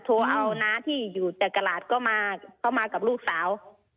โทรเอาน้าที่อยู่แต่กระหลาดก็มาก็มากับลูกสาว